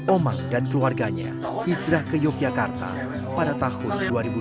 omang dan keluarganya hijrah ke yogyakarta pada tahun dua ribu dua belas